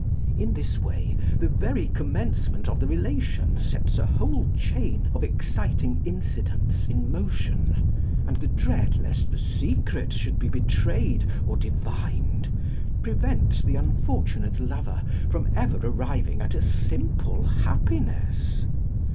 In this way, the very commencement of the relation sets a whole chain of exciting incidents in motion: and the dread lest the secret should be betrayed or divined, prevents the unfortunate lover from ever arriving at a simple happiness.